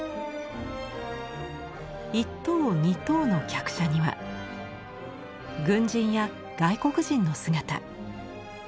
一等二等の客車には軍人や外国人の姿。